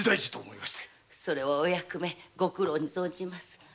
お役目ご苦労に存じます。